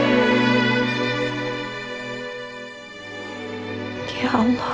pergi ke rumah